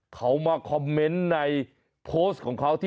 เขามาคอมเมนต์ในโพสต์ของเขาที่